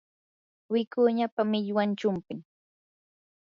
wikuñapa millwan chumpim.